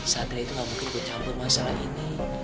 satria itu nggak mungkin bercampur masalah ini